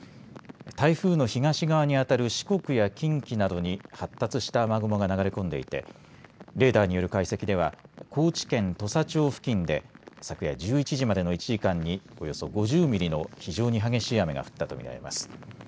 台風の東側にあたる四国や近畿などに発達した雨雲が流れ込んでいてレーダーによる解析では高知県土佐町付近で昨夜１１時までの１時間におよそ５０ミリの非常に激しい雨が降ったとみられます。